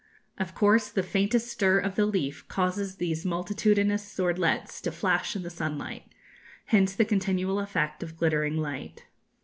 Of course, the faintest stir of the leaf causes these multitudinous swordlets to flash in the sunlight. Hence the continual effect of glittering light.